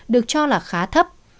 được cho là khá thấp